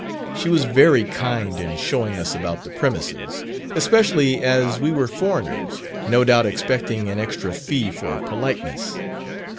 She was very kind in showing us about the premises, especially as we were foreigners, no doubt expecting an extra fee for politeness.